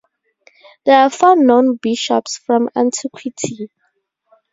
There are four known bishops from antiquity.